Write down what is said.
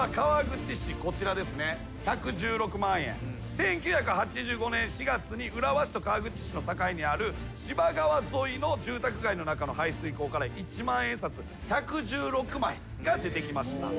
１９８５年４月に浦和市と川口市の境にある芝川沿いの住宅街の中の排水溝から一万円札１１６枚が出てきました。